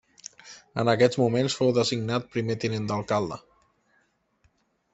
En aquests moments fou designat primer tinent d'alcalde.